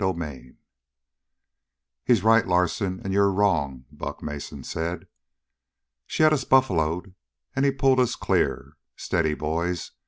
7 "He's right, Larsen, and you're wrong," Buck Mason said. "She had us buffaloed, and he pulled us clear. Steady, boys.